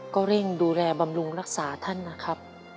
ก็เร่งดูแลบำรุงรักษาท่านนะครับ